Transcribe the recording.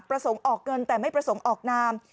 ออกเงินแต่ไม่ประสงค์ออกนาม